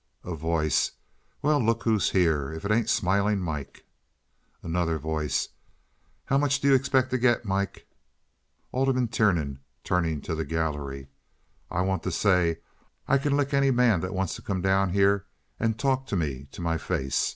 A Voice. "Well, look who's here. If it ain't Smiling Mike." Another Voice. "How much do you expect to get, Mike?" Alderman Tiernan (turning to gallery). "I want to say I can lick any man that wants to come down here and talk to me to my face.